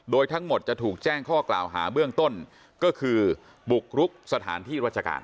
โดยทั้งหมดจะถูกแจ้งข้อกล่าวหาเบื้องต้นก็คือบุกรุกสถานที่ราชการ